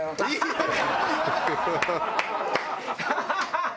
ハハハハ！